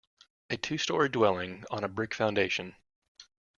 A two story dwelling, on a brick foundation.